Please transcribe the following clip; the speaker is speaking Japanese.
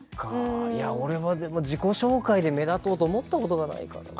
俺は自己紹介で目立とうと思ったことがないからな。